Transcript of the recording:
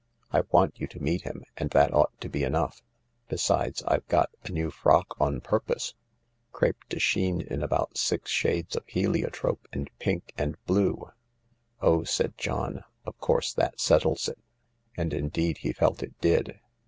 " I want you to meet Mm, and that ought to be enough. Besides, I've got a new frock on purpose; cr6pe de chine in about six shades of heliotrope and pink and blue." " Oh," said John, " of course that settles it." And indeed, he felt it did.